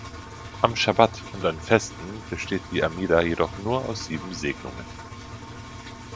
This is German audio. Am Schabbat und an Festen besteht die Amida jedoch nur aus sieben Segnungen.